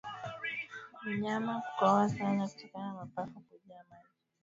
Mnyama kukohoa sana kutokana na mapafu kujaa maji ni dalili ya majimoyo